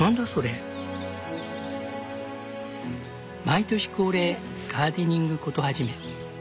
毎年恒例ガーデニング事始め。